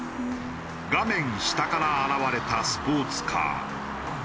画面下から現れたスポーツカー。